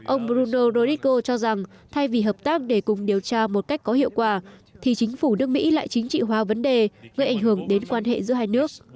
ông bruno dorisko cho rằng thay vì hợp tác để cùng điều tra một cách có hiệu quả thì chính phủ nước mỹ lại chính trị hóa vấn đề gây ảnh hưởng đến quan hệ giữa hai nước